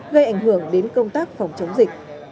gây ảnh hưởng đến công tác phòng chống dịch